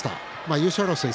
優勝争い